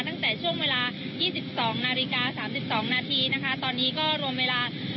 ตั้งแต่ช่วงเวลา๒๒นาฬิกา๓๒นาทีนะคะตอนนี้ก็รวมเวลา